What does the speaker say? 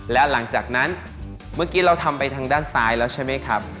แล้วหลังจากนั้นเมื่อกี้เราทำไปทางด้านซ้ายแล้วใช่ไหมครับ